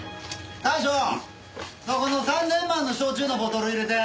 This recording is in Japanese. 大将そこの３０００万の焼酎のボトル入れて。